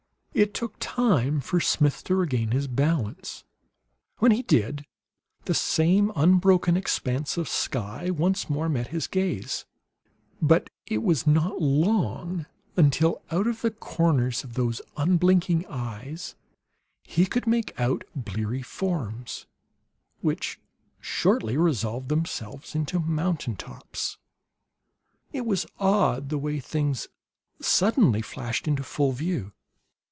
It took time for Smith to regain his balance. When he did, the same unbroken expanse of sky once more met his gaze; but it was not long until, out of the corners of those unblinking eyes, he could make out bleary forms which shortly resolved themselves into mountain tops. It was odd, the way things suddenly flashed into full view.